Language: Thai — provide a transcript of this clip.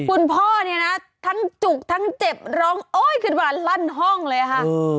คุณพ่อเนี่ยนะทั้งจุกทั้งเจ็บร้องโอ๊ยขึ้นมาลั่นห้องเลยค่ะ